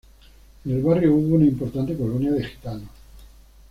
En el barrio hubo una importante colonia de gitanos.